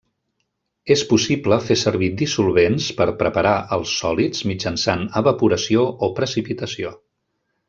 És possible fer servir dissolvents per preparar els sòlids mitjançant evaporació o precipitació.